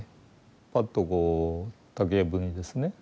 パッとこう竹やぶにですね